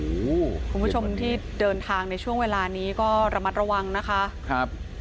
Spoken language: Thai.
คุณผู้ชมที่เดินทางในช่วงเวลานี้ก็ระมัดระวังนะคะครับ